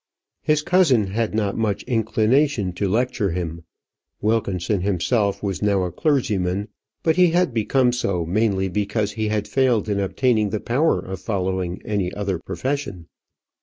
His cousin had not much inclination to lecture him. Wilkinson himself was now a clergyman; but he had become so mainly because he had failed in obtaining the power of following any other profession.